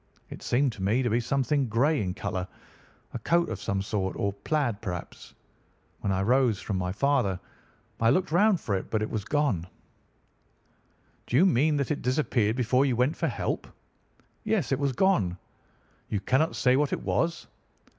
It seemed to me to be something grey in colour, a coat of some sort, or a plaid perhaps. When I rose from my father I looked round for it, but it was gone. "'Do you mean that it disappeared before you went for help?' "'Yes, it was gone.' " 'You cannot say what it was?